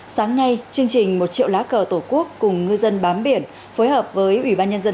sáng nay chương trình một triệu lá cờ tổ quốc cùng ngư dân bám biển phối hợp với ủy ban nhân dân